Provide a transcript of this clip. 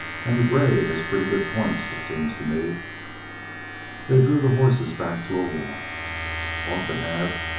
"And the gray has pretty good points, it seems to me." They drew the horses back to a walk. "Ought to have.